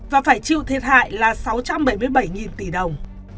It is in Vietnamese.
và phải chịu thiệt hại là sáu trăm bảy mươi bảy tỷ đồng